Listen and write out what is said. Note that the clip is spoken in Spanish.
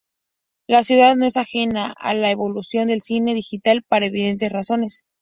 La ciudad no es ajena a la evolución del cine digital por evidentes razones.